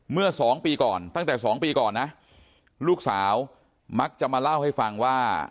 เมื่อสองปีก่อนตั้งแต่๒ปีก่อนนะลูกสาวมักจะมาเล่าให้ฟังว่า